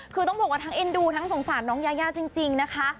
คือต้องบอกว่าทั้งเอ็นดูทั้งสงสารน้องยายาจริงนะคะ